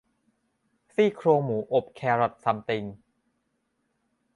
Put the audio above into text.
ซี่โครงหมูอบแครอตซัมติง